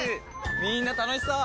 みんな楽しそう！